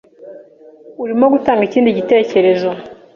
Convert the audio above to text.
Urimo gutanga ikindi gitekerezo?